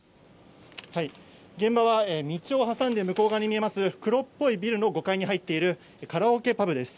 現場は道を挟んで向こう側に見えます、黒っぽいビルの５階に入っているカラオケパブです。